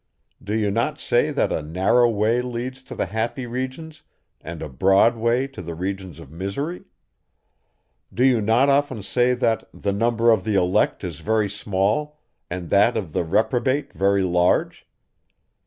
Do you not say, that a narrow way leads to the happy regions, and a broad way to the regions of misery? Do you not often say, that the number of the elect is very small, and that of the reprobate very large?